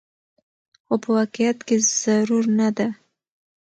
خو په واقعيت کې ضرور نه ده